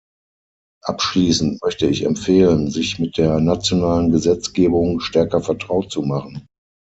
Abschließend möchte ich empfehlen, sich mit der nationalen Gesetzgebung stärker vertraut zu machen.